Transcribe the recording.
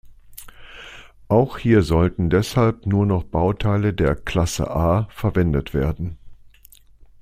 Auch hier sollten deshalb nur noch Bauteile der "Klasse A" verwendet werden.